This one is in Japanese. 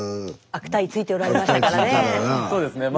悪態ついておられましたからねえ。